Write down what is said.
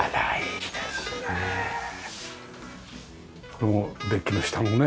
これもデッキの下のね。